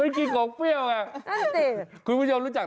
รู้จักสิใครจะไม่รู้จัก